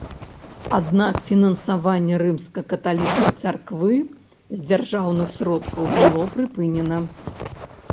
Аднак фінансаванне рымска-каталіцкай царквы з дзяржаўных сродкаў было прыпынена.